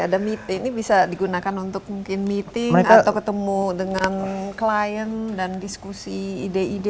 ada meeting ini bisa digunakan untuk mungkin meeting atau ketemu dengan klien dan diskusi ide ide